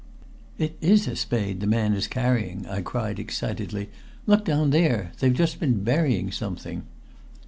"It is a spade the man is carrying!" I cried excitedly. "Look down there! They've just been burying something!"